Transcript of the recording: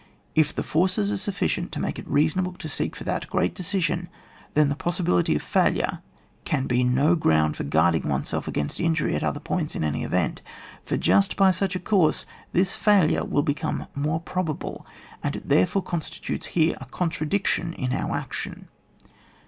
If the forces are suffi cient to make it reasonable to seek for that great decision, then the poeeihility of faUure can be no ground for guard ing oneself against injury at other points in any event ; for just by such a course this failure will become more probable, and it therefore constitutes here a con tradiction in otir action.